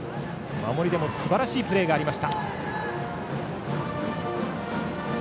守りでもすばらしいプレーがありました。